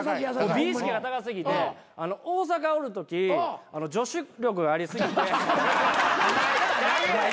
美意識が高過ぎて大阪おるときじょしゅ力があり過ぎて。